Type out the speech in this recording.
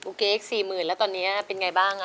กุ๊กกิ๊ก๔๐๐๐๐แล้วตอนนี้เป็นไงบ้าง